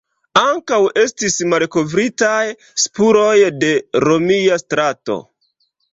Ankaŭ estis malkovritaj spuroj de romia strato.